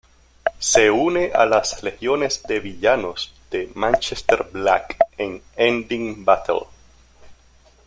Se une a las Legiones de Villanos de Manchester Black en "Ending Battle".